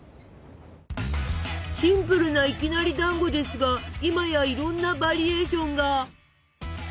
シンプルないきなりだんごですが今やいろんなバリエーションが！